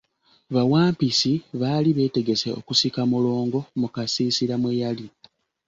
Bawampisi baali beetegese okusika Mulongo mu kasiisira mwe yali.